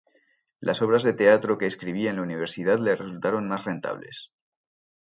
Las obras de teatro que escribía en la universidad le resultaron más rentables.